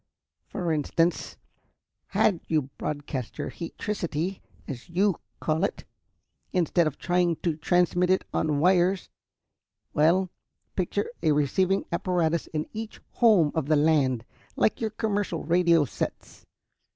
For instance, had you broadcast your heatricity, as you call it, instead of trying to transmit it on wires well, picture a receiving apparatus in each home of the land, like your commercial radio sets.